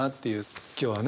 今日はね